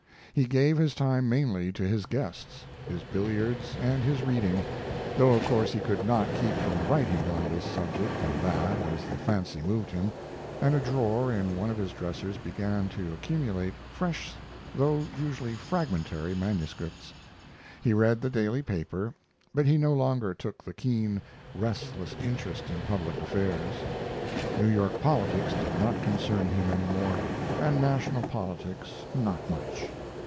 He gave his time mainly to his guests, his billiards, and his reading, though of course he could not keep from writing on this subject and that as the fancy moved him, and a drawer in one of his dressers began to accumulate fresh though usually fragmentary manuscripts... He read the daily paper, but he no longer took the keen, restless interest in public affairs. New York politics did not concern him any more, and national politics not much.